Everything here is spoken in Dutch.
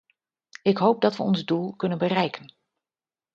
Ik hoop dat we ons doel kunnen bereiken.